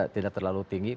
tidak terlalu tinggi